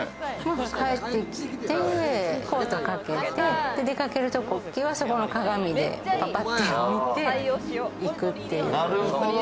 帰ってきて、コートかけて出かける時は、あそこの鏡でパパって見て行くっていう。